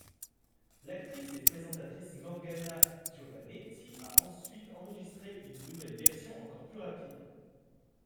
L'actrice et présentatrice Morgana Giovannetti a ensuite enregistré une nouvelle version encore plus rapide.